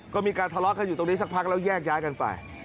ก็มีการทะเลาะกันอยู่ตรงนี้สักพักแล้วแยกย้ายกันไป